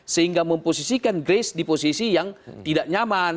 sehingga memposisikan grace di posisi yang tidak nyaman